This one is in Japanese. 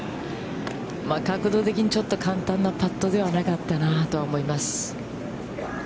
角度的に、ちょっと簡単なパットではなかったなと思います。